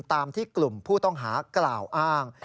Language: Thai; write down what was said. ตามที่กลุ่มผู้ต้องหากล่าวอ้าง